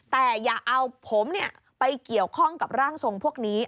แต่อย่าเอาผมไปเกี่ยวข้องกับร่างทรงพวกนี้